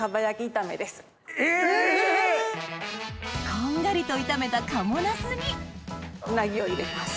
こんがりと炒めた賀茂なすにうなぎを入れます。